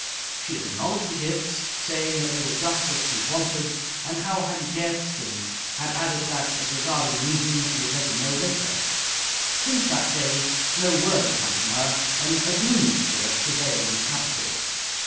She had acknowledged the gifts, saying that they were just what she had wanted and how had he guessed, and had added that, as regarded a meeting, she would let him know later. Since that day no word had come from her, and a gloomy spirit prevailed in the capital.